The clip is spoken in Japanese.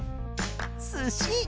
すし。